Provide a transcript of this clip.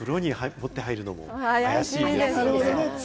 風呂に持って入るのもね、あやしいんですね。